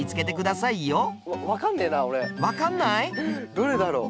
どれだろう？